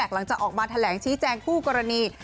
หลังจากออกมาแถลงชี้แจงคู่กรณี